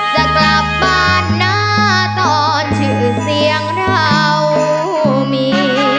จะกลับบ้านนะตอนชื่อเสียงเรามี